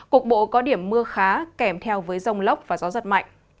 cục bộ có điểm mưa khá kèm theo với rông lốc và gió giật mạnh